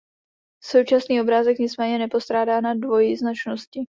Současný obrázek nicméně nepostrádá na dvojznačnosti.